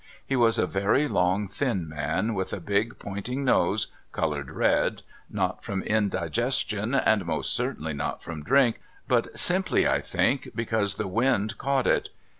He was a very long, thin man, with a big, pointing nose, coloured red, not from indigestion, and most certainly not from drink, but simply, I think, because the wind caught it.